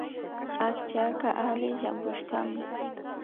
Akchaka alli llampushkami